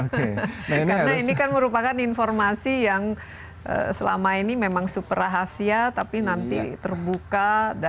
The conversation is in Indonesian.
karena ini kan merupakan informasi yang selama ini memang super rahasia tapi nanti terbuka